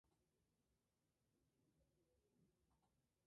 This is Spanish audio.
En cambio, los cielos de Guardi están nublados y el tiempo es crepuscular.